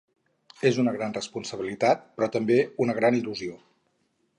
És una gran responsabilitat però també una gran il·lusió.